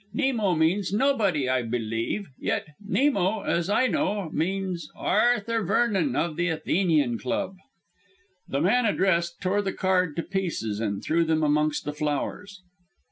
Nemo means Nobody, I believe; yet Nemo, as I know, means Arthur Vernon of The Athenian Club." The man addressed tore the card to pieces and threw them amongst the flowers.